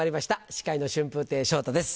司会の春風亭昇太です